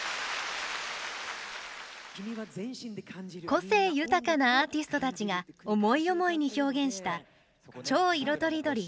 個性豊かなアーティストたちが思い思いに表現した「超いろとりどり！